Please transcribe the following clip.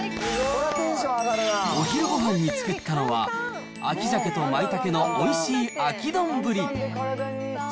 お昼ごはんに作ったのは、秋サケとまいたけのおいしい秋丼。